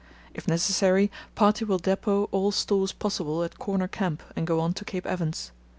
If necessary, party will depot all stores possible at Corner Camp and go on to Cape Evans.